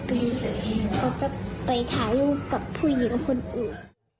ก็จะไปถ่ายลูกกับผู้หญิงของคนอื่น